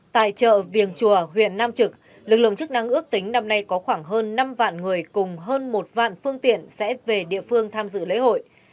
tại chợ viềng chùa huyện nam trực lực lượng chức năng ước tính năm nay có khoảng hơn năm vạn người cùng hơn một vạn phương tiện sẽ về địa phương tham dự lễ hội